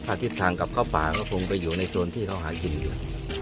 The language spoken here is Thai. ถ้าทิศทางกลับเข้าป่าก็คงไปอยู่ในโซนที่เขาหากินอยู่